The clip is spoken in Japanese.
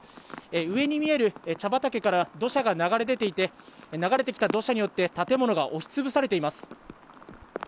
上に見える茶畑から土砂が流れ出ていて、流れてきた土砂によって建物が押しつぶされています。